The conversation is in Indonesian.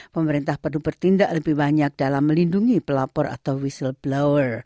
pemerintah perlu bertindak lebih banyak dalam melindungi pelapor atau whistleblower